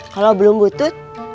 kalo belum butut